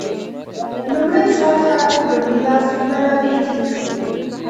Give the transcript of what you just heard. لومړۍ سطح لومړي لاس منابع دي.